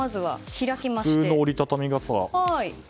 普通の折り畳み傘。